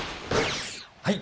はい。